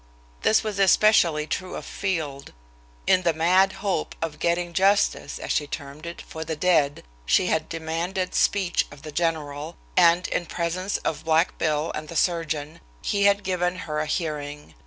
This was especially true of Field. In the mad hope of "getting justice," as she termed it, for the dead, she had demanded speech of the general, and, in presence of "Black Bill" and the surgeon, he had given her a hearing.